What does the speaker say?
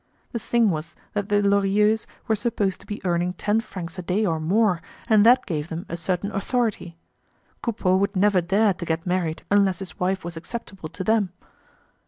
The thing was that the Lorilleuxs were supposed to be earning ten francs a day or more and that gave them a certain authority. Coupeau would never dare to get married unless his wife was acceptable to them.